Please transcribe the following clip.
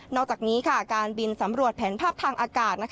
อกจากนี้การบินสำรวจแผนภาพทางอากาศ